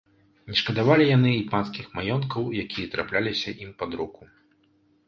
Не шкадавалі яны і панскіх маёнткаў, якія трапляліся ім пад руку.